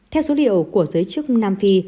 theo số liệu của giới chức nam phi